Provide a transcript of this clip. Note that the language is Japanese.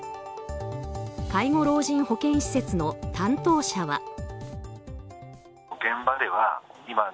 介護老人保健施設の担当者は。